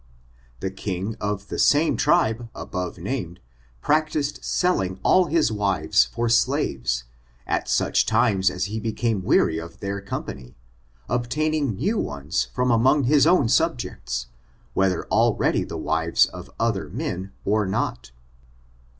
The king of the same tribe above named, practiced selling all his wives for slaves, at such times as he became weary of their company, obtain ing new ones from among his own subjects, whether already the wives of other men or not.